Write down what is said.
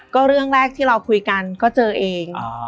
ก็เรื่องแรกที่เราคุยกันก็เจอเอง